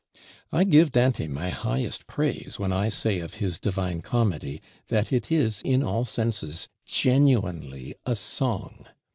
I give Dante my highest praise when I say of his 'Divine Comedy' that it is, in all senses, genuinely a Song.